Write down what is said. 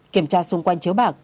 kiểm tra xung quanh chiếu bạc